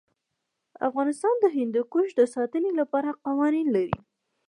افغانستان د هندوکش د ساتنې لپاره قوانین لري.